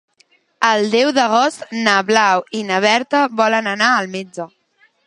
El deu d'agost na Blau i na Berta volen anar al metge.